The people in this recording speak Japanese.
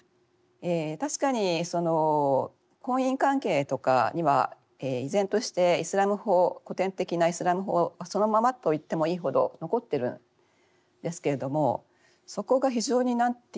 確かに婚姻関係とかには依然としてイスラーム法古典的なイスラーム法そのままと言ってもいいほど残っているんですけれどもそこが非常に何て言うんですかね